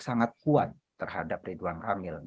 sangat kuat terhadap ridwan kamil